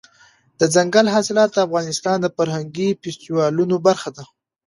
دځنګل حاصلات د افغانستان د فرهنګي فستیوالونو برخه ده.